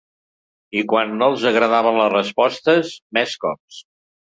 I quan no els agradaven les respostes, més cops.